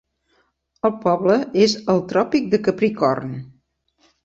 El poble és al tròpic de Capricorn.